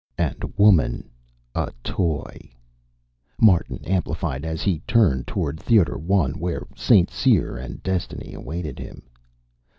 "'And woman a toy,'" Martin amplified, as he turned toward Theater One, where St. Cyr and destiny awaited him.